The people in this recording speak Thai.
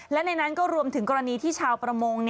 และในนั้นก็รวมถึงกรณีที่ชาวประมง